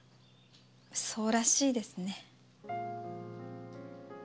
そうらしいですね。